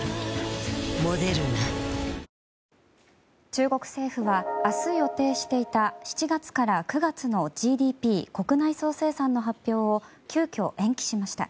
中国政府は明日予定していた７月から９月のＧＤＰ・国内総生産の発表を急きょ、延期しました。